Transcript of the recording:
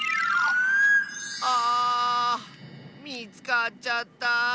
あみつかっちゃった！